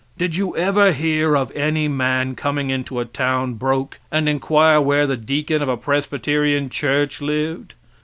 Did you ever hear of any man coming into a town broke and inquire where the deacon of a Presbyterian church lived?